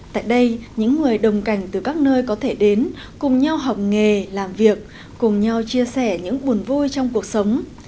tại đây những người đồng cảnh từ các nơi có thể đến cùng nhau học nghề làm việc cùng nhau chia sẻ những buồn vui trong cuộc sống